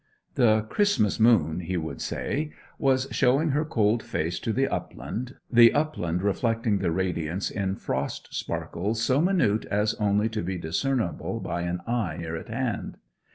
The Christmas moon (he would say) was showing her cold face to the upland, the upland reflecting the radiance in frost sparkles so minute as only to be discernible by an eye near at hand.